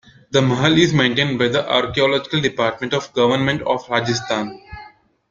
The Mahal is maintained by the archaeological Department of the Government of Rajasthan.